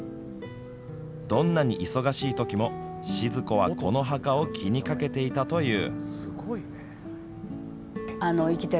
どんなに忙しいときもシヅ子はこの墓を気にかけていたという。